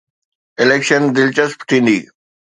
Election دلچسپ ٿيندي.